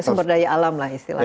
sumber daya alam lah istilahnya